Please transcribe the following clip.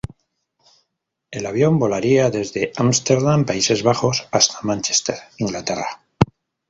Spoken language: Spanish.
El avión volaría desde Ámsterdam, Países Bajos hasta Manchester, Inglaterra.